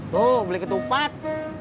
tuh beli ketupat